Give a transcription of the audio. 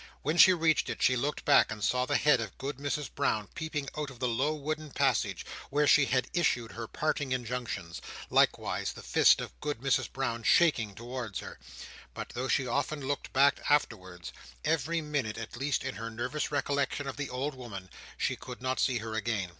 When she reached it, she looked back and saw the head of Good Mrs Brown peeping out of the low wooden passage, where she had issued her parting injunctions; likewise the fist of Good Mrs Brown shaking towards her. But though she often looked back afterwards—every minute, at least, in her nervous recollection of the old woman—she could not see her again.